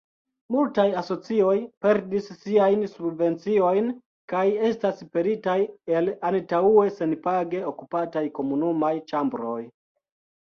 Multaj asocioj perdis siajn subvenciojn kaj estas pelitaj el antaŭe senpage okupataj komunumaj ĉambroj.